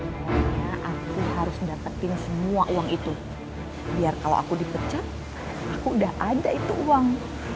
pokoknya aku harus dapetin semua uang itu biar kalau aku dipecat aku udah ada itu uang